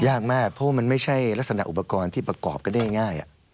ยากมากเพราะว่ามันไม่ใช่ลักษณะอุปกรณ์ที่ประกอบกันได้ง่าย